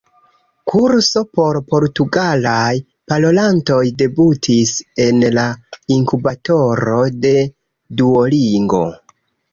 -kurso por portugalaj parolantoj debutis en la inkubatoro de Duolingo